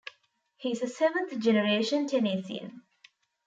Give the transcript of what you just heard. He is a seventh-generation Tennessean.